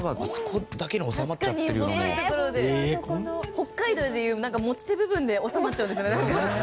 北海道で言う持ち手部分で収まっちゃうんですよねなんか。